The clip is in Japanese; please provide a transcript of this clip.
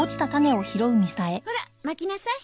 ほらまきなさい。